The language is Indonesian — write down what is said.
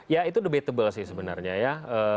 ya itu debatable sih sebenarnya ya